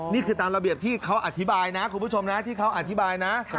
นี่คือตามระเบียบที่เขาอธิบายนะคุณผู้ชมนะที่เขาอธิบายนะ